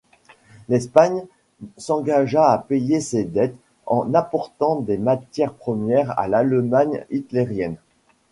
L'Espagne s'engagea à payer ses dettes en apportant des matières premières à l'Allemagne hitlérienne.